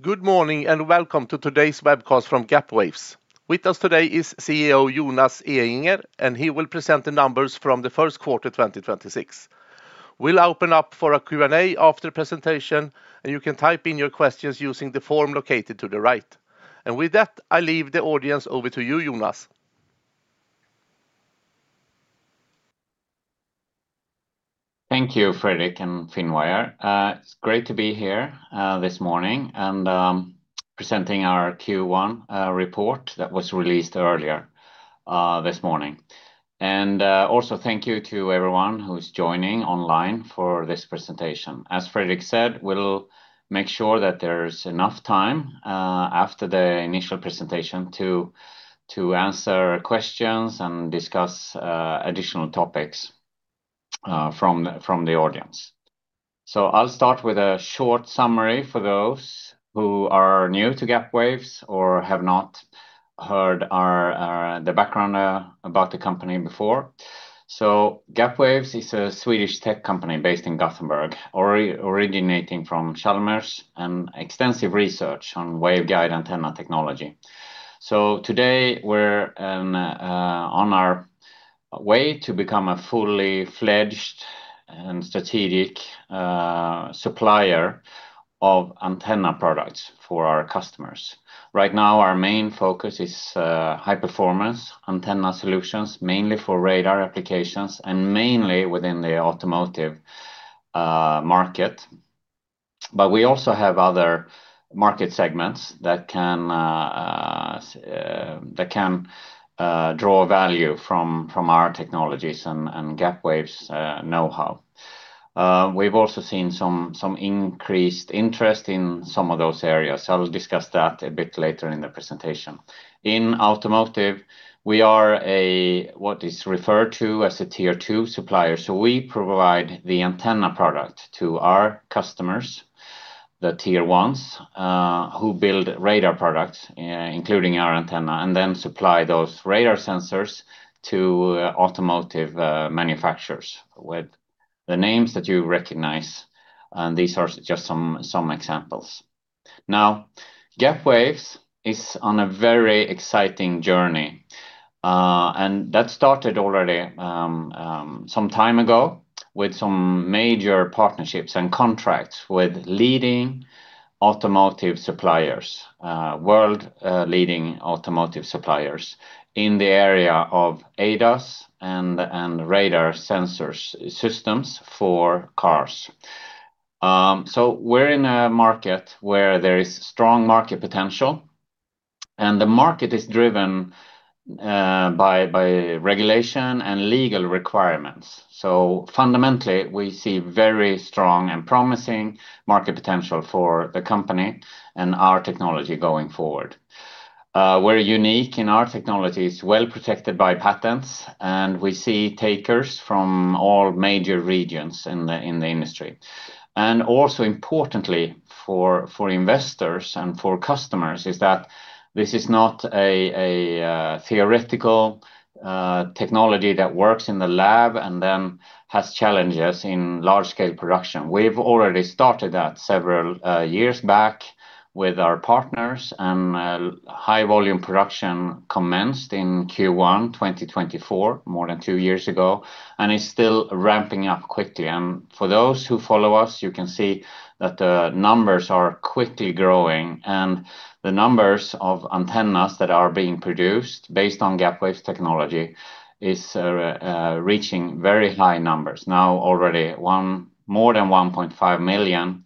Good morning, welcome to today's webcast from Gapwaves. With us today is CEO Jonas Ehinger. He will present the numbers from the first quarter 2026. We'll open up for a Q&A after the presentation. You can type in your questions using the form located to the right. With that, I leave the audience over to you, Jonas. Thank you, Fredrik and Finwire. It's great to be here this morning and presenting our Q1 report that was released earlier this morning. Also thank you to everyone who's joining online for this presentation. As Fredrik said, we'll make sure that there's enough time after the initial presentation to answer questions and discuss additional topics from the audience. I'll start with a short summary for those who are new to Gapwaves or have not heard our the background about the company before. Gapwaves is a Swedish tech company based in Gothenburg, originating from Chalmers and extensive research on waveguide antenna technology. Today we're on our way to become a fully-fledged and strategic supplier of antenna products for our customers. Right now, our main focus is high-performance antenna solutions, mainly for radar applications and mainly within the automotive market. We also have other market segments that can draw value from our technologies and Gapwaves' know-how. We've also seen some increased interest in some of those areas, I'll discuss that a bit later in the presentation. In automotive, we are what is referred to as a Tier 2 supplier. We provide the antenna product to our customers, the Tier 1s, who build radar products, including our antenna, and then supply those radar sensors to automotive manufacturers with the names that you recognize, and these are just some examples. Now, Gapwaves is on a very exciting journey, that started already some time ago with some major partnerships and contracts with leading automotive suppliers, world-leading automotive suppliers in the area of ADAS and radar sensors systems for cars. We're in a market where there is strong market potential, the market is driven by regulation and legal requirements. Fundamentally, we see very strong and promising market potential for the company and our technology going forward. We're unique in our technology. It's well-protected by patents, we see takers from all major regions in the industry. Also importantly for investors and for customers is that this is not a theoretical technology that works in the lab and then has challenges in large-scale production. We've already started that several years back with our partners. High-volume production commenced in Q1 2024, more than two years ago, and it's still ramping up quickly. For those who follow us, you can see that the numbers are quickly growing. The numbers of antennas that are being produced based on Gapwaves technology is reaching very high numbers. Now already more than 1.5 million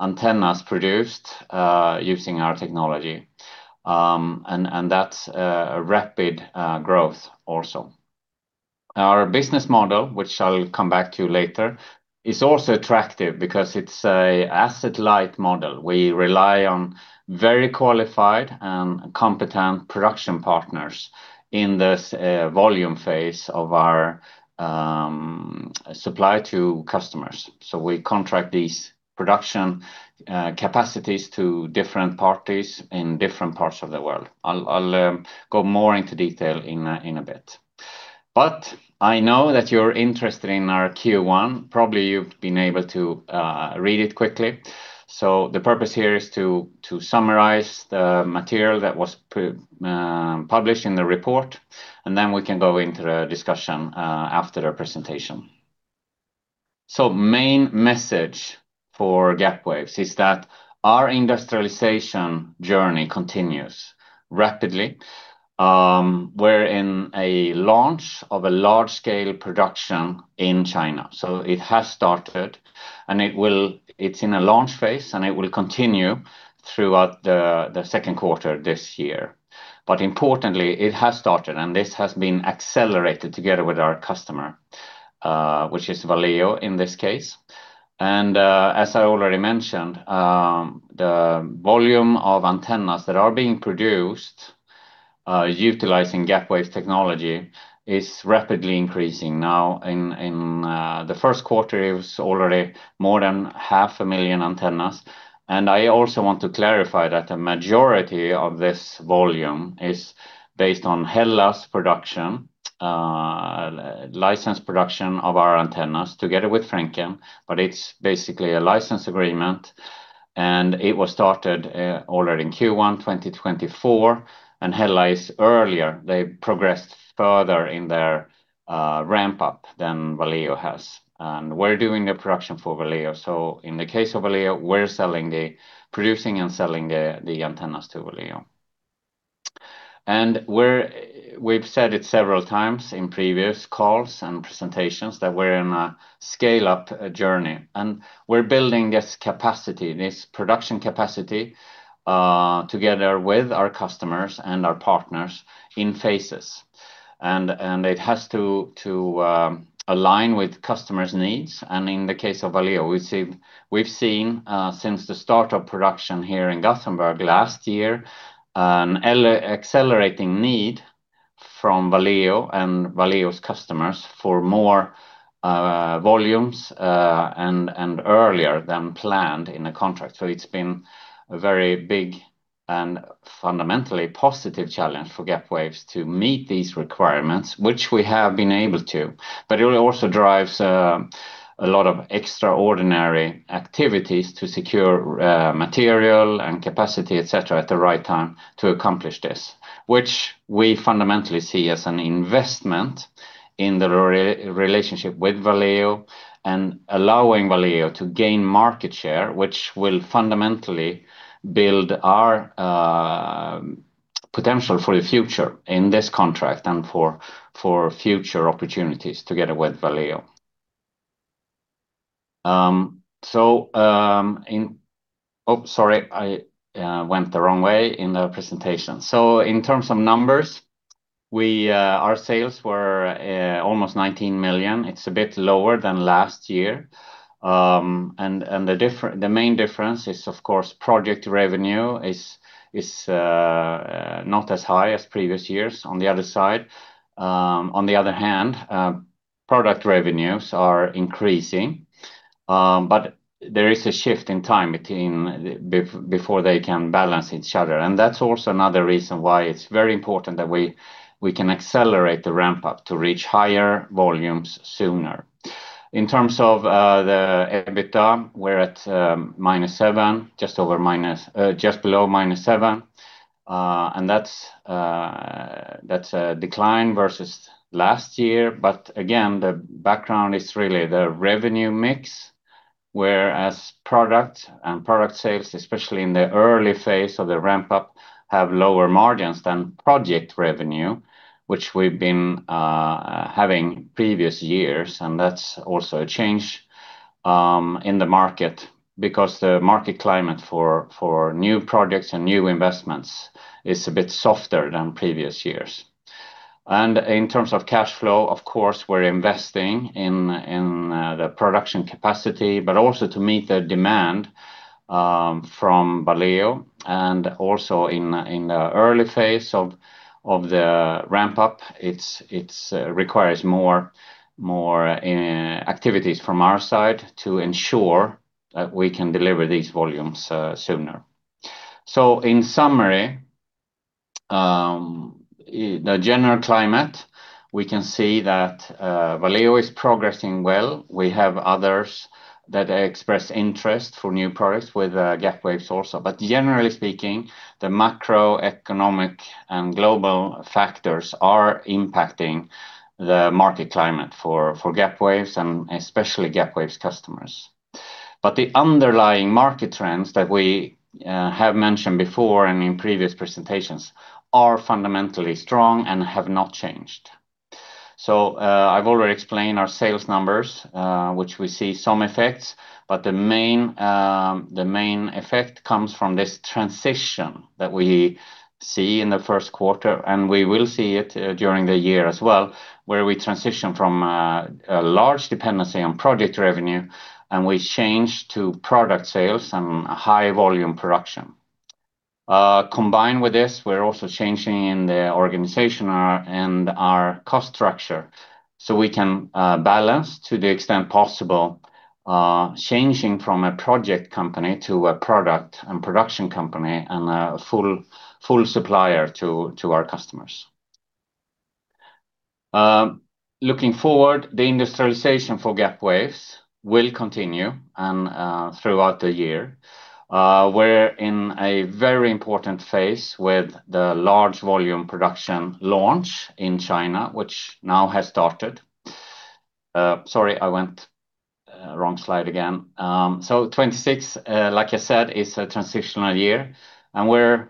antennas produced using our technology. That's a rapid growth also. Our business model, which I'll come back to later, is also attractive because it's a asset-light model. We rely on very qualified and competent production partners in this volume phase of our supply to customers. We contract these production capacities to different parties in different parts of the world. I'll go more into detail in a bit. I know that you're interested in our Q1. Probably you've been able to read it quickly. The purpose here is to summarize the material that was published in the report, and then we can go into the discussion after the presentation. Main message for Gapwaves is that our industrialization journey continues rapidly. We're in a launch of a large-scale production in China. It has started, and it's in a launch phase, and it will continue throughout the second quarter this year. Importantly, it has started, and this has been accelerated together with our customer, which is Valeo in this case. As I already mentioned, the volume of antennas that are being produced, utilizing Gapwaves technology is rapidly increasing. Now in the first quarter, it was already more than 500,000 antennas. I also want to clarify that the majority of this volume is based on HELLA's license production of our antennas together with Frencken. It is basically a license agreement, and it was started already in Q1 2024. HELLA is earlier, they progressed further in their ramp-up than Valeo has. We're doing the production for Valeo. In the case of Valeo, we're producing and selling the antennas to Valeo. We've said it several times in previous calls and presentations that we're in a scale-up journey, and we're building this capacity, this production capacity, together with our customers and our partners in phases. It has to align with customers' needs. In the case of Valeo, we've seen since the start of production here in Gothenburg last year, an accelerating need from Valeo and Valeo's customers for more volumes and earlier than planned in a contract. It's been a very big and fundamentally positive challenge for Gapwaves to meet these requirements, which we have been able to. It also drives a lot of extraordinary activities to secure material and capacity, et cetera, at the right time to accomplish this, which we fundamentally see as an investment in the relationship with Valeo and allowing Valeo to gain market share, which will fundamentally build our potential for the future in this contract and for future opportunities together with Valeo. Oh, sorry, I went the wrong way in the presentation. In terms of numbers, our sales were almost 19 million. It's a bit lower than last year. The main difference is, of course, project revenue is not as high as previous years. On the other hand, product revenues are increasing, but there is a shift in time before they can balance each other. That's also another reason why it's very important that we can accelerate the ramp-up to reach higher volumes sooner. In terms of the EBITDA, we're at -7, just below -7. That's a decline versus last year. Again, the background is really the revenue mix, whereas product and product sales, especially in the early phase of the ramp-up, have lower margins than project revenue, which we've been having previous years. That's also a change in the market because the market climate for new projects and new investments is a bit softer than previous years. In terms of cash flow, of course, we're investing in the production capacity, but also to meet the demand from Valeo and also in the early phase of the ramp-up. It requires more, more activities from our side to ensure that we can deliver these volumes sooner. In summary, the general climate, we can see that Valeo is progressing well. We have others that express interest for new products with Gapwaves also. Generally speaking, the macroeconomic and global factors are impacting the market climate for Gapwaves and especially Gapwaves customers. The underlying market trends that we have mentioned before and in previous presentations are fundamentally strong and have not changed. I've already explained our sales numbers, which we see some effects, but the main effect comes from this transition that we see in the first quarter, and we will see it during the year as well, where we transition from a large dependency on project revenue, and we change to product sales and high-volume production. Combined with this, we're also changing in the organization, and our cost structure, so we can balance to the extent possible, changing from a project company to a product and production company and a full supplier to our customers. Looking forward, the industrialization for Gapwaves will continue and throughout the year. We're in a very important phase with the large volume production launch in China, which now has started. Sorry, I went wrong slide again. So 2026, like I said, is a transitional year, and we're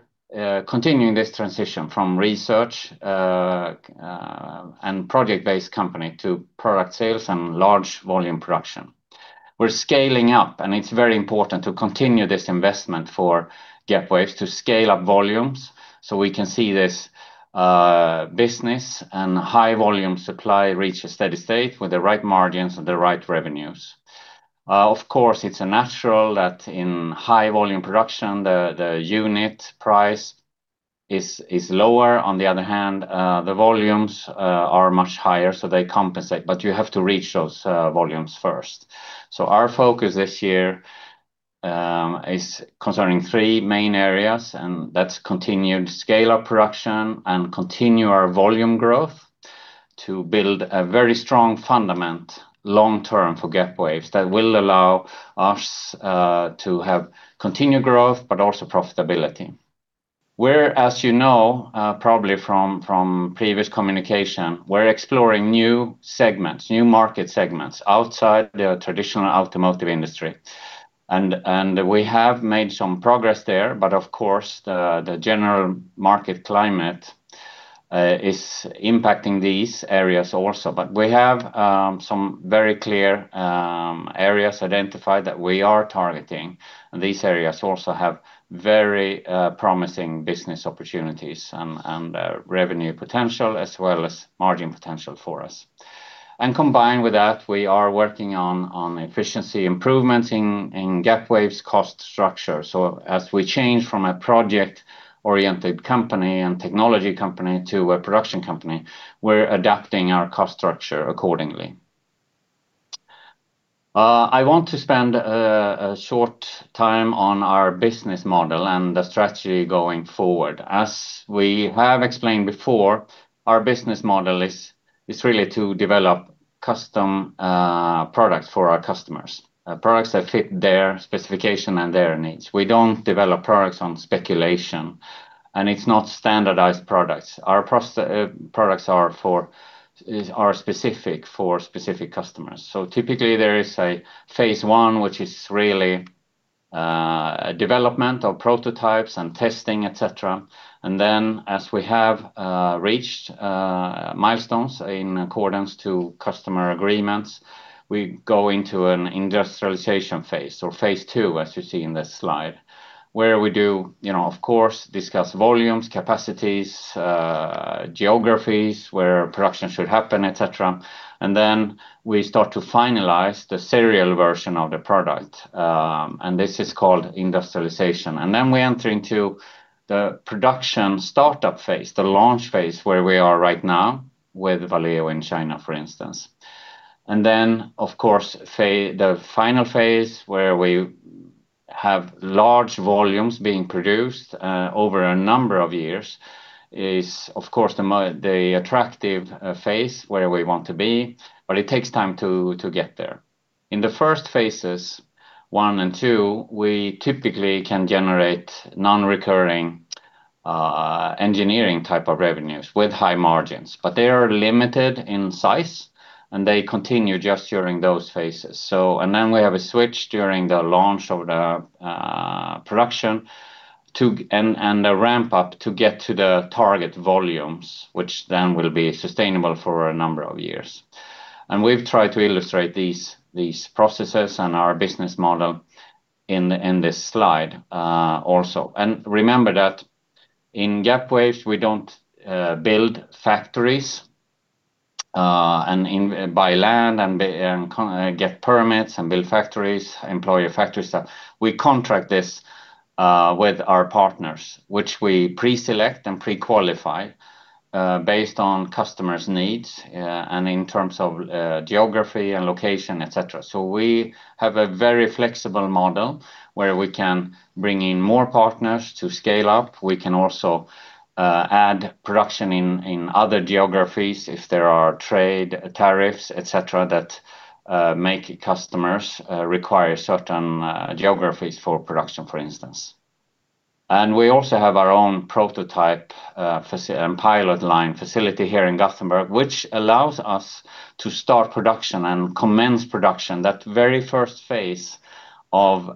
continuing this transition from research and project-based company to product sales and large volume production. We're scaling up, and it's very important to continue this investment for Gapwaves to scale-up volumes, so we can see this business and high-volume supply reach a steady state with the right margins and the right revenues. Of course, it's natural that in high-volume production, the unit price is lower. On the other hand, the volumes are much higher, so they compensate, but you have to reach those volumes first. Our focus this year is concerning three main areas, and that's continued scale of production and continue our volume growth to build a very strong fundament long term for Gapwaves that will allow us to have continued growth but also profitability. We're, as you know, probably from previous communication, we're exploring new segments, new market segments outside the traditional automotive industry. We have made some progress there, but of course the general market climate is impacting these areas also. We have some very clear areas identified that we are targeting, and these areas also have very promising business opportunities and revenue potential as well as margin potential for us. Combined with that, we are working on efficiency improvements in Gapwaves' cost structure. As we change from a project-oriented company and technology company to a production company, we're adapting our cost structure accordingly. I want to spend a short time on our business model and the strategy going forward. As we have explained before, our business model is really to develop custom products for our customers, products that fit their specification and their needs. We don't develop products on speculation, and it's not standardized products. Our products are specific for specific customers. Typically there is a phase one, which is really development of prototypes and testing, et cetera. As we have reached milestones in accordance to customer agreements, we go into an industrialization phase or phase two, as you see in this slide, where we do, you know, of course, discuss volumes, capacities, geographies where production should happen, et cetera. We start to finalize the serial version of the product, and this is called industrialization. We enter into the production startup phase, the launch phase, where we are right now with Valeo in China, for instance. Then of course, the final phase where we have large volumes being produced over a number of years is of course the attractive phase where we want to be, but it takes time to get there. In the first phases, one and two, we typically can generate non-recurring engineering type of revenues with high margins. They are limited in size, and they continue just during those phases. Then we have a switch during the launch of the production to a ramp-up to get to the target volumes, which then will be sustainable for a number of years. We've tried to illustrate these processes and our business model in this slide also. Remember that in Gapwaves, we don't build factories, and in, buy land and get permits and build factories, employ a factory staff. We contract this with our partners, which we pre-select and pre-qualify, based on customers' needs, and in terms of geography and location, et cetera. We have a very flexible model where we can bring in more partners to scale-up. We can also add production in other geographies if there are trade tariffs, et cetera, that make customers require certain geographies for production, for instance. We also have our own prototype pilot line facility here in Gothenburg, which allows us to start production and commence production, that very first phase of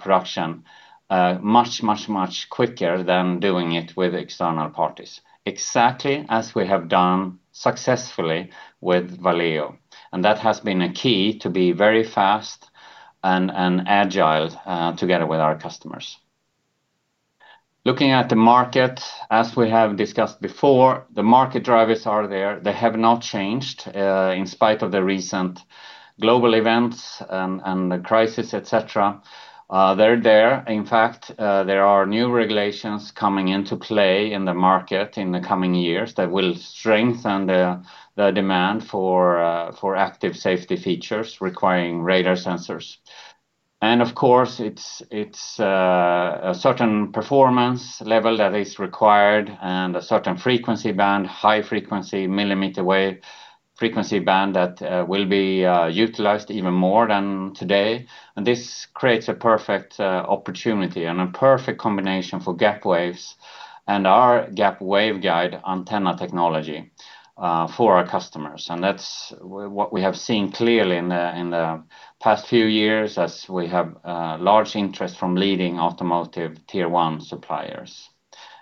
production, much quicker than doing it with external parties, exactly as we have done successfully with Valeo. That has been a key to be very fast and agile together with our customers. Looking at the market, as we have discussed before, the market drivers are there. They have not changed in spite of the recent global events and the crisis, et cetera. They're there. In fact, there are new regulations coming into play in the market in the coming years that will strengthen the demand for active safety features requiring radar sensors. Of course, it's a certain performance level that is required and a certain frequency band, high frequency, millimeter-wave frequency band that will be utilized even more than today. This creates a perfect opportunity and a perfect combination for Gapwaves and our gap waveguide antenna technology for our customers. That's what we have seen clearly in the past few years as we have large interest from leading automotive Tier 1 suppliers.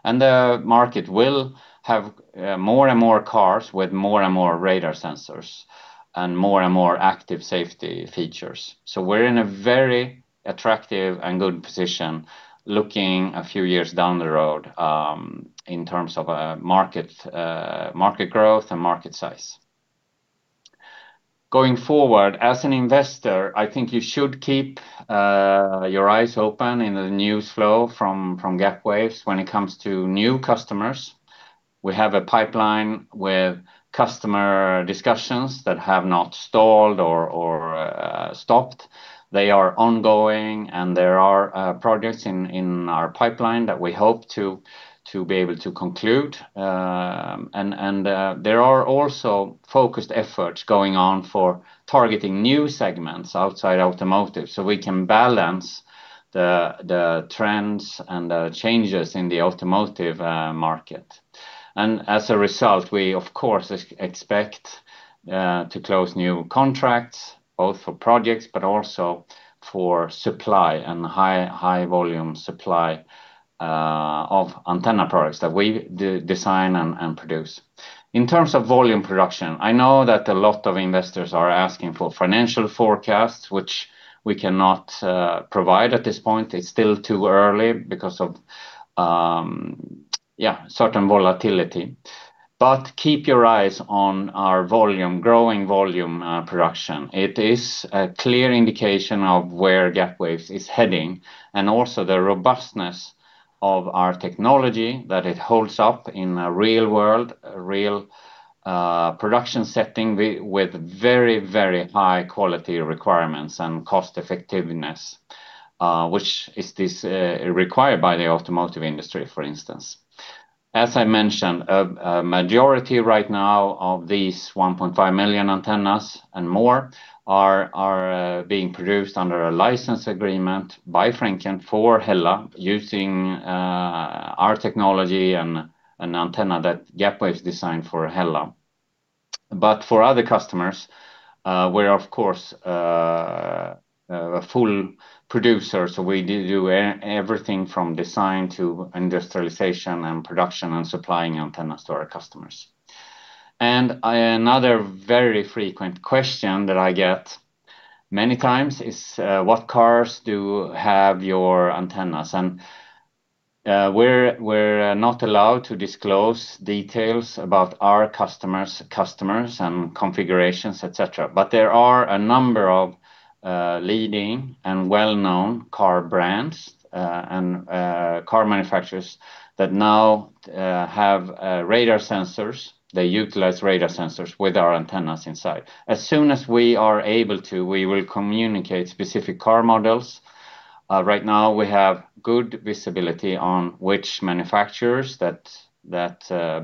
The market will have more and more cars with more and more radar sensors and more and more active safety features. We're in a very attractive and good position looking a few years down the road in terms of market market growth and market size. Going forward, as an investor, I think you should keep your eyes open in the news flow from Gapwaves when it comes to new customers. We have a pipeline with customer discussions that have not stalled or stopped. They are ongoing. There are projects in our pipeline that we hope to be able to conclude. There are also focused efforts going on for targeting new segments outside automotive, so we can balance the trends and the changes in the automotive market. As a result, we of course expect to close new contracts, both for projects, but also for supply and high-volume supply of antenna products that we design and produce. In terms of volume production, I know that a lot of investors are asking for financial forecasts, which we cannot provide at this point. It's still too early because of, yeah, certain volatility. But keep your eyes on our volume, growing volume production. It is a clear indication of where Gapwaves is heading and also the robustness of our technology that it holds up in a real world, a real production setting with very, very high quality requirements and cost effectiveness, which is this, required by the automotive industry, for instance. As I mentioned, a majority right now of these 1.5 million antennas and more are being produced under a license agreement by Frencken and for HELLA using our technology and an antenna that Gapwaves designed for HELLA. For other customers, we're of course a full producer, so we do everything from design to industrialization and production and supplying antenna to our customers. Another very frequent question that I get many times is, what cars do have your antennas? We're not allowed to disclose details about our customers and configurations, et cetera. There are a number of leading and well-known car brands and car manufacturers that now have radar sensors. They utilize radar sensors with our antennas inside. As soon as we are able to, we will communicate specific car models. Right now we have good visibility on which manufacturers that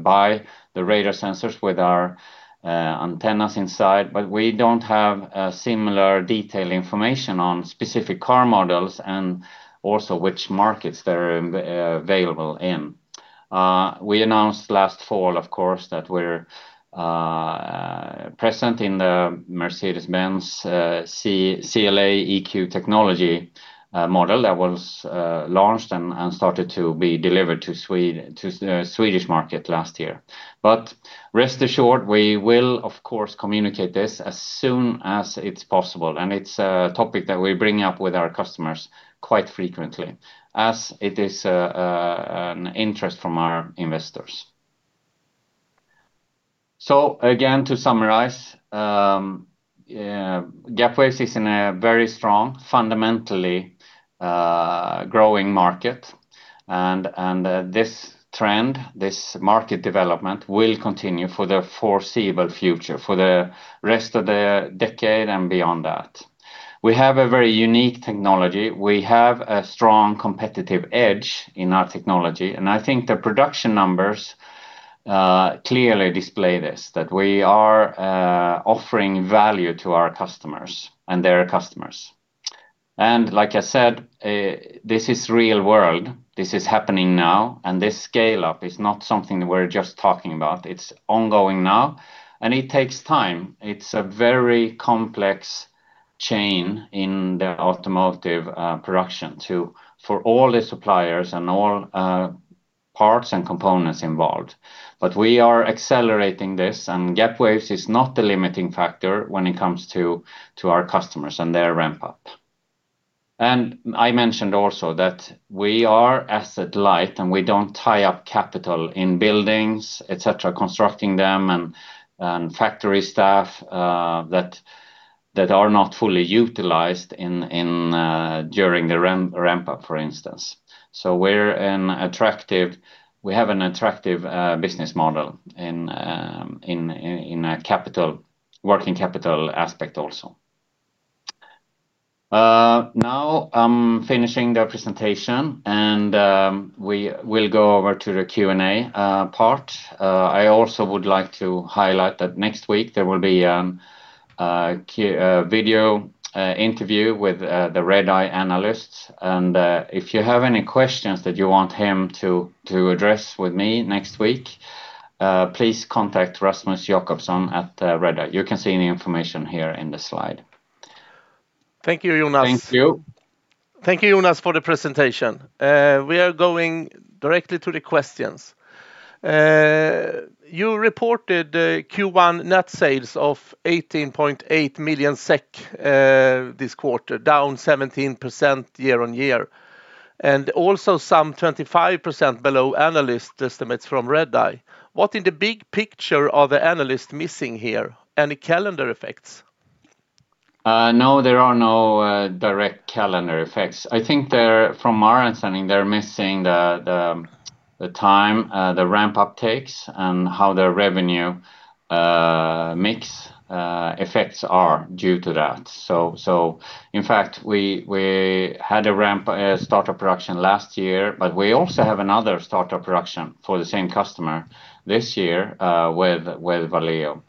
buy the radar sensors with our antennas inside, but we don't have similar detailed information on specific car models and also which markets they're available in. We announced last fall, of course, that we're present in the Mercedes-Benz CLA EQ technology model that was launched and started to be delivered to the Swedish market last year. Rest assured, we will of course communicate this as soon as it's possible, and it's a topic that we bring up with our customers quite frequently, as it is an interest from our investors. Again, to summarize, Gapwaves is in a very strong, fundamentally growing market. This trend, this market development will continue for the foreseeable future, for the rest of the decade and beyond that. We have a very unique technology. We have a strong competitive edge in our technology, and I think the production numbers clearly display this, that we are offering value to our customers and their customers. Like I said, this is real world. This is happening now, and this scale-up is not something that we're just talking about. It's ongoing now, and it takes time. It's a very complex chain in the automotive production to, for all the suppliers and all parts and components involved. We are accelerating this, and Gapwaves is not the limiting factor when it comes to our customers and their ramp-up. I mentioned also that we are asset-light, and we don't tie up capital in buildings, et cetera, constructing them and factory staff that are not fully utilized in during the ramp-up, for instance. We have an attractive business model in a capital, working capital aspect also. Now I'm finishing the presentation, and we will go over to the Q&A part. I also would like to highlight that next week there will be a video interview with the Redeye analysts. If you have any questions that you want him to address with me next week, please contact Rasmus Jakobsson at Redeye. You can see the information here in the slide. Thank you, Jonas. Thank you. Thank you, Jonas, for the presentation. We are going directly to the questions. You reported the Q1 net sales of 18.8 million SEK this quarter, down 17% year-on-year, and also some 25% below analyst estimates from Redeye. What in the big picture are the analysts missing here? Any calendar effects? No, there are no direct calendar effects. I think from our understanding, they're missing the time the ramp-up takes and how their revenue mix effects are due to that. In fact, we had a ramp start of production last year, but we also have another start of production for the same customer this year with Valeo.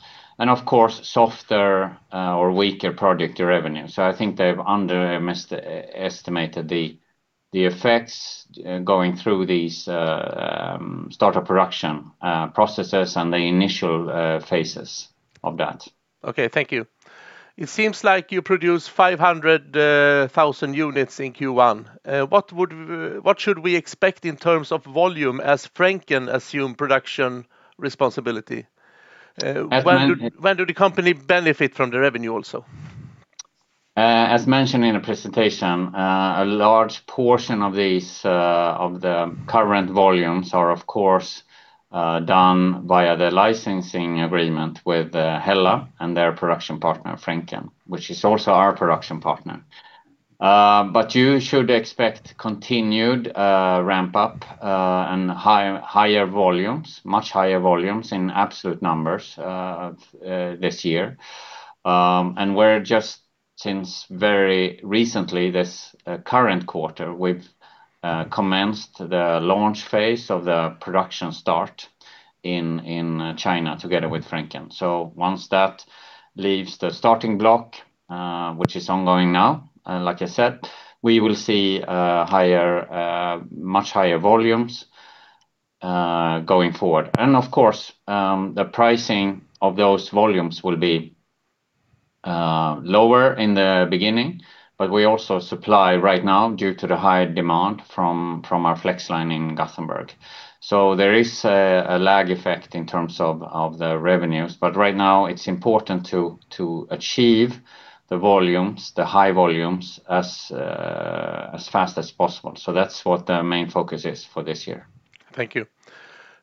Of course, softer or weaker project revenue. I think they've underestimated the effects going through these start of production processes and the initial phases of that. Okay, thank you. It seems like you produce 500,000 units in Q1. What should we expect in terms of volume as Frencken assume production responsibility? As men- When do the company benefit from the revenue also? As mentioned in the presentation, a large portion of these, of the current volumes are of course, done via the licensing agreement with HELLA and their production partner, Frencken, which is also our production partner. But you should expect continued ramp-up, and higher volumes, much higher volumes in absolute numbers, this year. We're just since very recently this, current quarter, we've commenced the launch phase of the production start in China together with Frencken. Once that leaves the starting block, which is ongoing now, like I said, we will see higher, much higher volumes going forward. Of course, the pricing of those volumes will be lower in the beginning. We also supply right now due to the high demand from our flex line in Gothenburg. There is a lag effect in terms of the revenues. Right now it's important to achieve the volumes, the high-volumes as fast as possible. That's what the main focus is for this year. Thank you.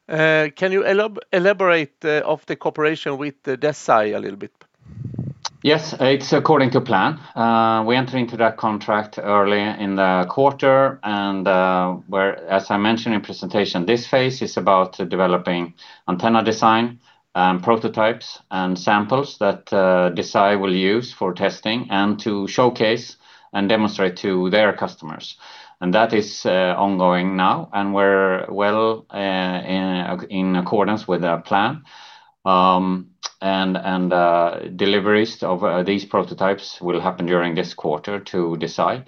Can you elaborate of the cooperation with Desay a little bit? Yes. It's according to plan. We entered into that contract early in the quarter. As I mentioned in presentation, this phase is about developing antenna design and prototypes and samples that Desay will use for testing and to showcase and demonstrate to their customers. That is ongoing now. We're well in accordance with our plan. Deliveries of these prototypes will happen during this quarter to Desay.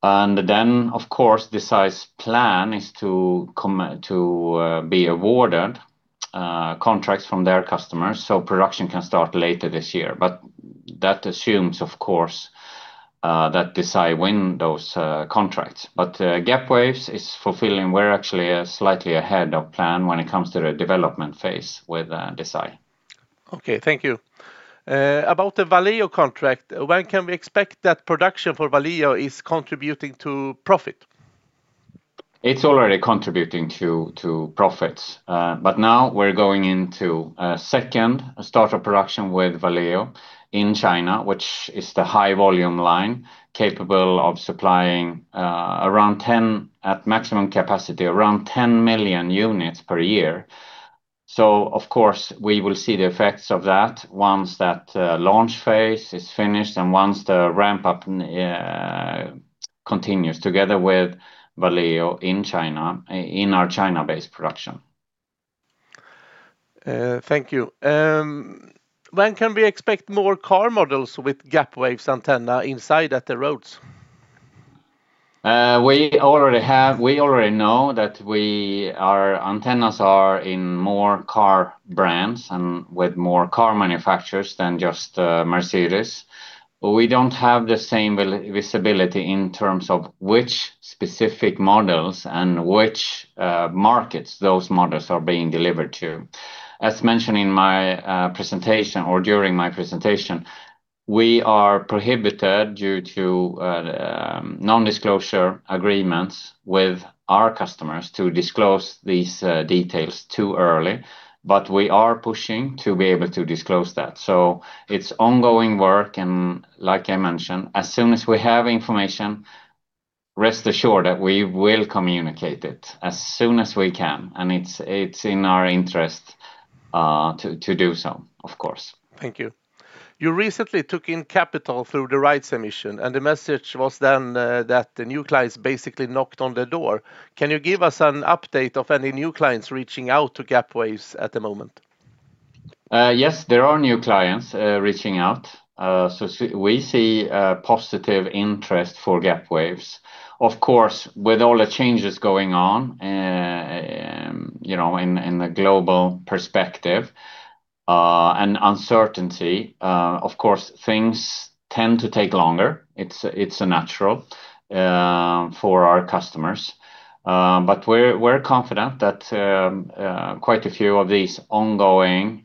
Of course, Desay's plan is to be awarded contracts from their customers, so production can start later this year. That assumes, of course, that Desay win those contracts. Gapwaves is fulfilling. We're actually slightly ahead of plan when it comes to the development phase with Desay. Okay. Thank you. About the Valeo contract, when can we expect that production for Valeo is contributing to profit? It's already contributing to profits. Now we're going into a second start of production with Valeo in China, which is the high-volume line capable of supplying at maximum capacity, around 10 million units per year. Of course, we will see the effects of that once that launch phase is finished and once the ramp-up continues together with Valeo in China, in our China-based production. Thank you. When can we expect more car models with Gapwaves antenna inside at the roads? We already have. We already know that our antennas are in more car brands and with more car manufacturers than just Mercedes. We don't have the same visibility in terms of which specific models and which markets those models are being delivered to. As mentioned in my presentation or during my presentation, we are prohibited due to non-disclosure agreements with our customers to disclose these details too early. We are pushing to be able to disclose that. It's ongoing work, and like I mentioned, as soon as we have information, rest assured that we will communicate it as soon as we can, and it's in our interest to do so, of course. Thank you. You recently took in capital through the rights emission, and the message was then that the new clients basically knocked on the door. Can you give us an update of any new clients reaching out to Gapwaves at the moment? Yes. There are new clients reaching out. We see a positive interest for Gapwaves. Of course, with all the changes going on, you know, in the global perspective, and uncertainty, of course, things tend to take longer. It's natural for our customers. We're confident that quite a few of these ongoing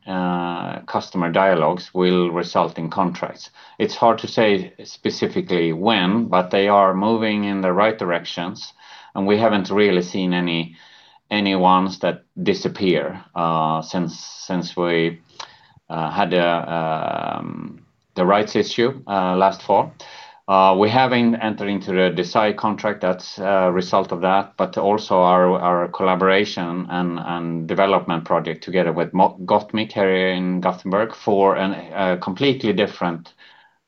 customer dialogues will result in contracts. It's hard to say specifically when, they are moving in the right directions, and we haven't really seen any ones that disappear since we had a rights issue last fall. We having entering to the Desay contract that's a result of that, but also our collaboration and development project together with Gotmic here in Gothenburg for an, a completely different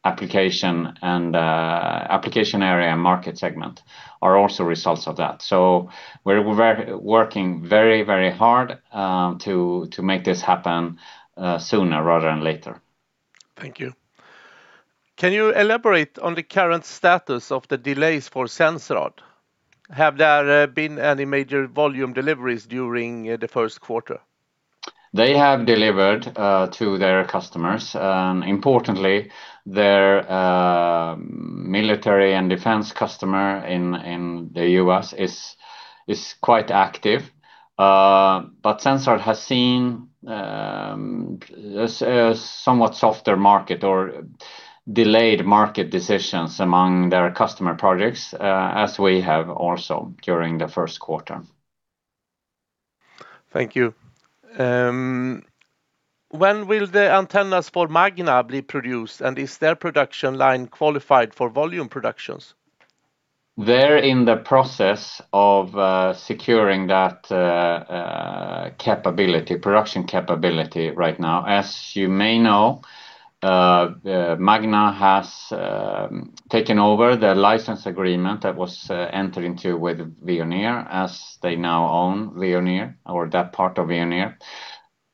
application and application area and market segment are also results of that. We're working very, very hard to make this happen sooner rather than later. Thank you. Can you elaborate on the current status of the delays for Sensrad? Have there been any major volume deliveries during the first quarter? They have delivered to their customers. Importantly, their military and defense customer in the U.S. is quite active. Sensrad has seen a somewhat softer market or delayed market decisions among their customer projects as we have also during the first quarter. Thank you. When will the antennas for Magna be produced, and is their production line qualified for volume productions? They're in the process of securing that capability, production capability right now. As you may know, Magna has taken over the license agreement that was entered into with Veoneer, as they now own Veoneer or that part of Veoneer.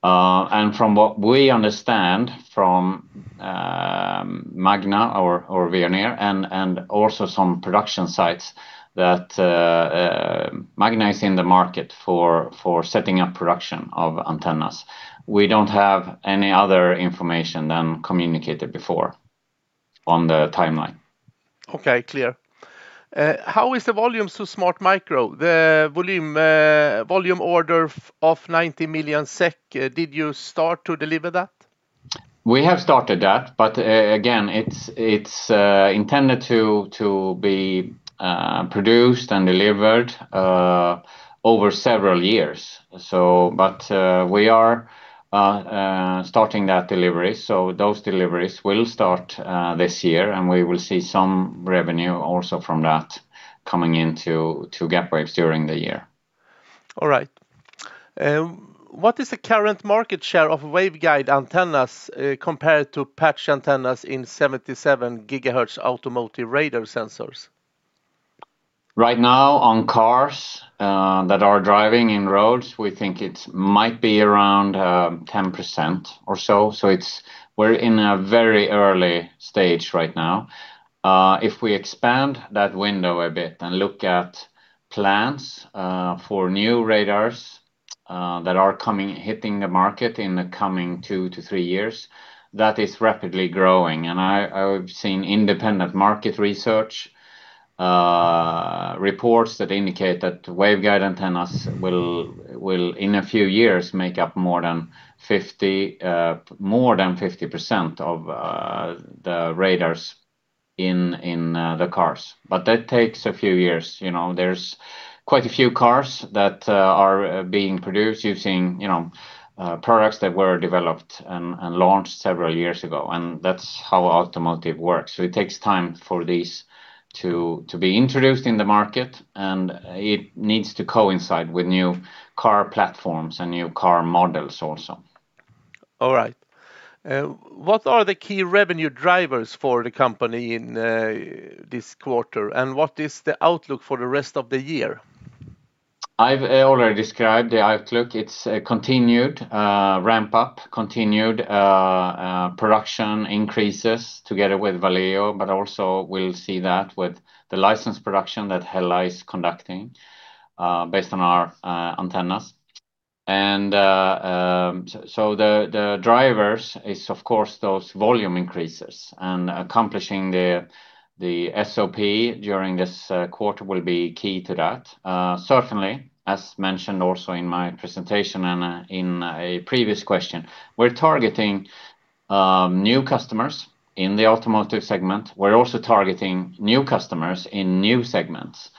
From what we understand from Magna or Veoneer and also some production sites that Magna is in the market for setting up production of antennas. We don't have any other information than communicated before on the timeline. Okay. Clear. How is the volume to smartmicro? The volume order of 90 million SEK, did you start to deliver that? We have started that, but again, it's intended to be produced and delivered over several years. We are starting that delivery, so those deliveries will start this year, and we will see some revenue also from that coming into Gapwaves during the year. All right. What is the current market share of waveguide antennas, compared to patch antennas in 77 GHz automotive radar sensors? Right now on cars that are driving in roads, we think it might be around 10% or so. We're in a very early stage right now. If we expand that window a bit and look at plans for new radars that are coming, hitting the market in the coming two to three years, that is rapidly growing. I've seen independent market research reports that indicate that waveguide antennas will in a few years make up more than 50% of the radars in the cars. That takes a few years, you know. There's quite a few cars that are being produced using, you know, products that were developed and launched several years ago, and that's how automotive works. It takes time for these to be introduced in the market, and it needs to coincide with new car platforms and new car models also. All right. What are the key revenue drivers for the company in this quarter, and what is the outlook for the rest of the year? I've already described the outlook. It's a continued ramp-up, continued production increases together with Valeo, but also we'll see that with the license production that HELLA is conducting based on our antennas. The drivers is of course those volume increases. Accomplishing the SOP during this quarter will be key to that. Certainly, as mentioned also in my presentation and in a previous question, we're targeting new customers in the automotive segment. We're also targeting new customers in new segments.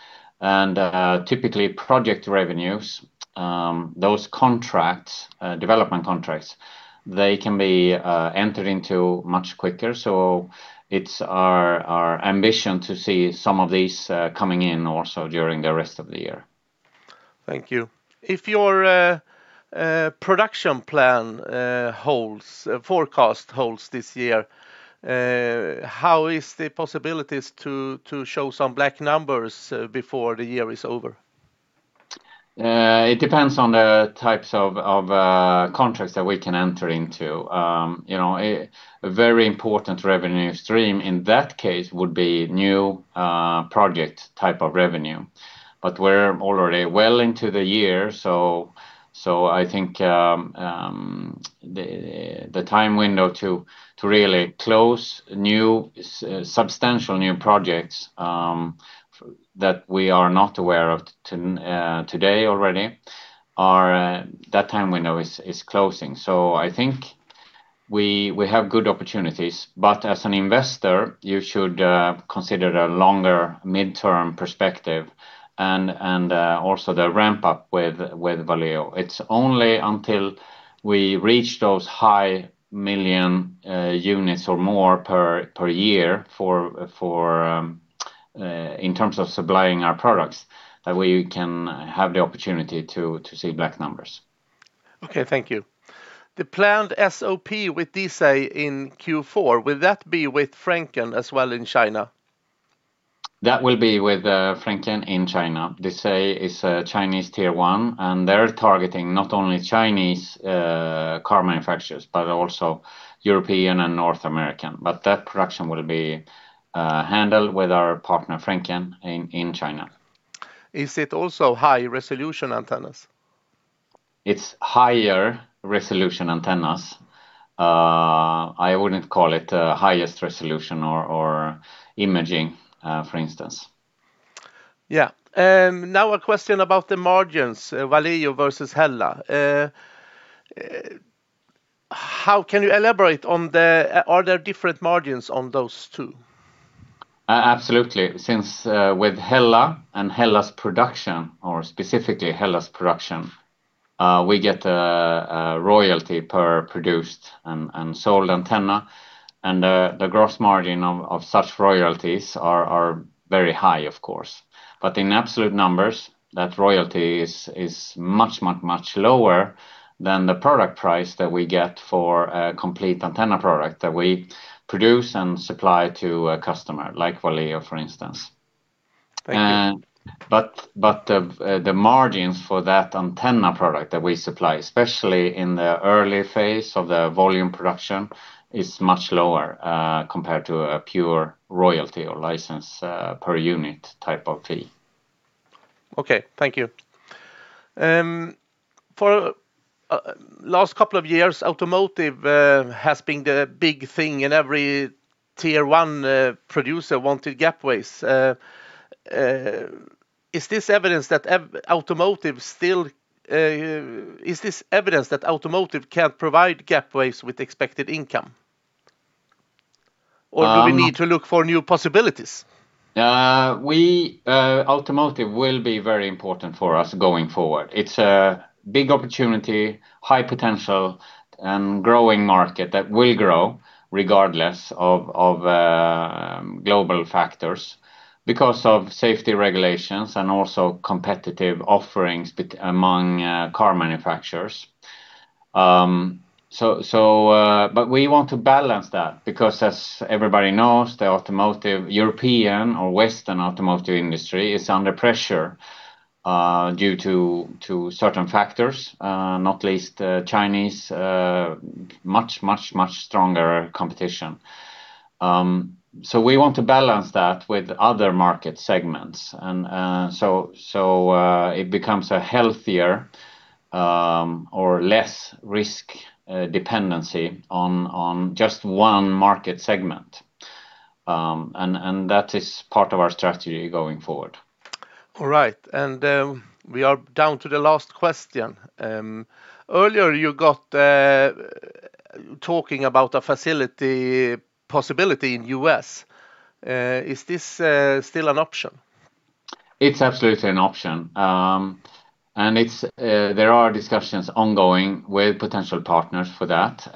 Typically project revenues, those contracts, development contracts, they can be entered into much quicker. It's our ambition to see some of these coming in also during the rest of the year. Thank you. If your production plan holds, forecast holds this year, how is the possibilities to show some black numbers before the year is over? It depends on the types of contracts that we can enter into. You know, a very important revenue stream in that case would be new project type of revenue. We're already well into the year, I think the time window to really close new substantial new projects that we are not aware of today already, that time window is closing. We have good opportunities, but as an investor, you should consider the longer midterm perspective and also the ramp-up with Valeo. It's only until we reach those high million units or more per year for in terms of supplying our products that we can have the opportunity to see black numbers. Okay, thank you. The planned SOP with Desay in Q4, will that be with Frencken as well in China? That will be with Frencken in China. Desay is a Chinese Tier 1, and they're targeting not only Chinese car manufacturers, but also European and North American. That production will be handled with our partner Frencken in China. Is it also high-resolution antennas? It's higher resolution antennas. I wouldn't call it highest resolution or imaging, for instance. Now a question about the margins, Valeo versus HELLA. How can you elaborate? Are there different margins on those two? Absolutely. Since, with HELLA and HELLA's production, or specifically HELLA's production, we get a royalty per produced and sold antenna, and the gross margin of such royalties are very high, of course. In absolute numbers, that royalty is much, much, much lower than the product price that we get for a complete antenna product that we produce and supply to a customer, like Valeo, for instance. Thank you. The margins for that antenna product that we supply, especially in the early phase of the volume production, is much lower compared to a pure royalty or license per unit type of fee. Okay, thank you. For last couple of years, automotive has been the big thing, and every Tier 1 producer wanted Gapwaves. Is this evidence that automotive can't provide Gapwaves with expected income? Um- Do we need to look for new possibilities? Automotive will be very important for us going forward. It's a big opportunity, high potential, and growing market that will grow regardless of global factors because of safety regulations and also competitive offerings among car manufacturers. We want to balance that because as everybody knows, the automotive, European or Western automotive industry is under pressure due to certain factors, not least the Chinese, much stronger competition. We want to balance that with other market segments and it becomes a healthier or less risk dependency on just one market segment. That is part of our strategy going forward. All right. We are down to the last question. Earlier you got talking about a facility possibility in U.S. Is this still an option? It's absolutely an option. It's, there are discussions ongoing with potential partners for that.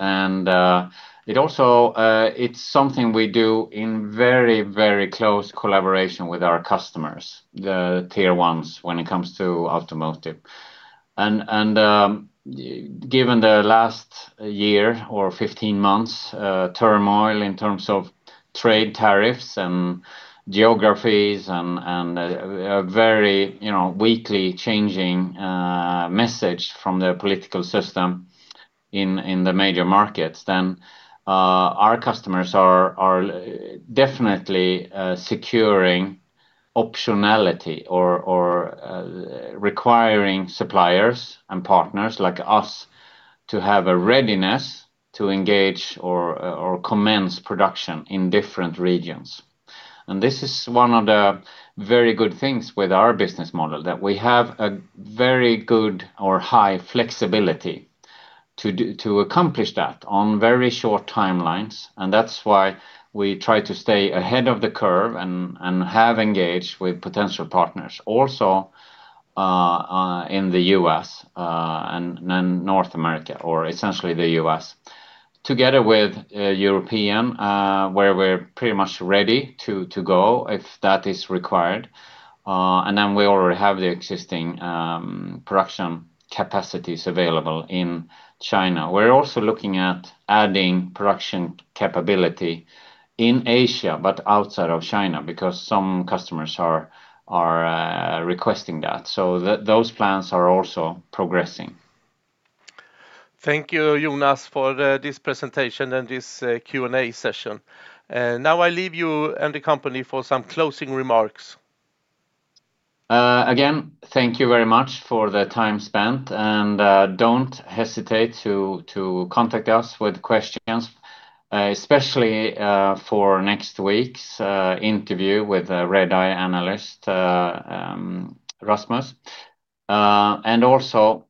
It also, it's something we do in very, very close collaboration with our customers, the Tier 1s when it comes to automotive. Given the last year or 15 months, turmoil in terms of trade tariffs and geographies and a very, you know, weekly changing message from the political system in the major markets, then our customers are definitely securing optionality or requiring suppliers and partners like us to have a readiness to engage or commence production in different regions. This is one of the very good things with our business model, that we have a very good or high flexibility to accomplish that on very short timelines, and that's why we try to stay ahead of the curve and have engaged with potential partners also in the U.S., and North America, or essentially the U.S., together with European, where we're pretty much ready to go if that is required. We already have the existing production capacities available in China. We're also looking at adding production capability in Asia, but outside of China, because some customers are requesting that. Those plans are also progressing. Thank you, Jonas, for this presentation and this Q&A session. Now I leave you and the company for some closing remarks. Again, thank you very much for the time spent. Don't hesitate to contact us with questions, especially for next week's interview with a Redeye analyst, Rasmus. Also,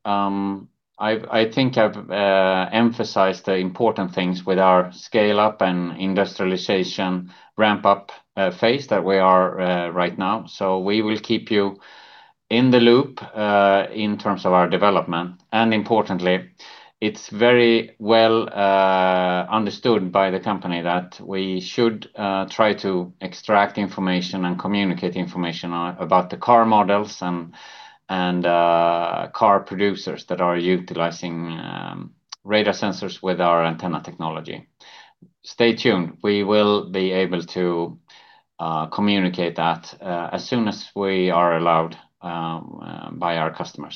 I think I've emphasized the important things with our scale-up and industrialization ramp-up phase that we are right now. We will keep you in the loop in terms of our development. Importantly, it's very well understood by the company that we should try to extract information and communicate information about the car models and car producers that are utilizing radar sensors with our antenna technology. Stay tuned. We will be able to communicate that as soon as we are allowed by our customers.